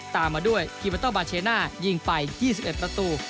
ตามมาด้วยคีเบอร์โตบาเชน่ายิงไป๒๑ประตู